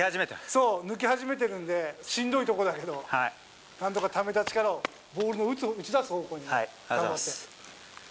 そう、抜け始めてるんで、しんどいところだけど、なんとかためた力をボールを打ち出す方向に。